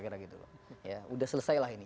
sudah selesailah ini